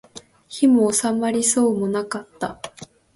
火も納まりそうもなかった